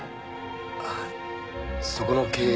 ああそこの経営